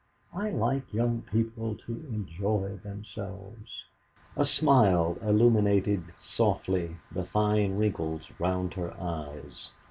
I like young people to enjoy themselves." A smile illumined softly the fine wrinkles round her eyes.